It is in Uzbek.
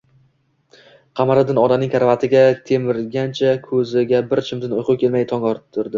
Qamariddin onasining karavotiga termilganicha, ko‘ziga bir chimdim uyqu kelmay tong ottirdi